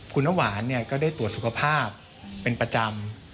คุณน้ำหวานก็ได้ตรวจสุขภาพเป็นประจำ